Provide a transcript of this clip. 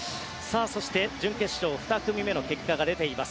そして、準決勝２組目の結果が出ています。